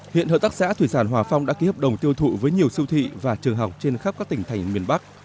hiện hợp tác xã thủy sản hòa phong đã ký hợp đồng tiêu thụ với nhiều siêu thị và trường học trên khắp các tỉnh thành miền bắc